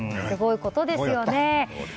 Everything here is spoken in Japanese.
すごいことですよね。